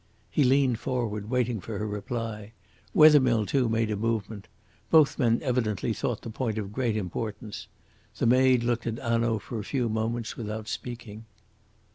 He leaned forward, waiting for her reply. Wethermill too, made a movement. Both men evidently thought the point of great importance. The maid looked at Hanaud for a few moments without speaking.